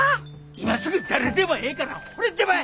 今すぐ誰でもええからほれてまえ！